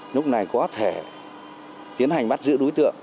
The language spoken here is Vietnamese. lúc này có thể tiến hành bắt giữ đối tượng